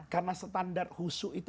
karena standar husu itu